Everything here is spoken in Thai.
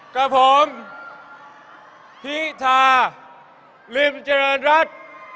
กับผมพิธาริมเจริญรัฐ